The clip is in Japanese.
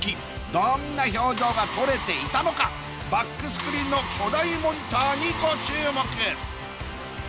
どんな表情が撮れていたのかバックスクリーンの巨大モニターにご注目！